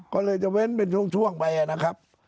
ก็เลยจะเว้นเป็นช่วงไปนะครับ